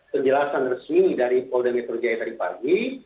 penjelasan resmi dari polda metro jaya tadi pagi